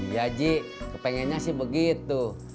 iya ji kepengennya sih begitu